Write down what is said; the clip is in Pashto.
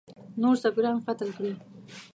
نور سفیران قتل کړي.